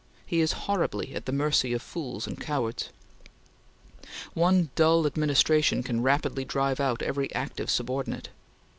He is horribly at the mercy of fools and cowards. One dull administration can rapidly drive out every active subordinate.